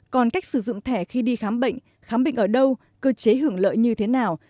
còn cách sử dụng thẻ khi đi khám bệnh khám bệnh ở đâu cơ chế hưởng lợi như thế nào